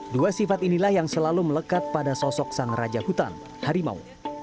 dua sifat inilah yang selalu melekat pada sosok sang raja hutan harimau